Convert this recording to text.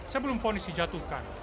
sebelum ponis dijatuhkan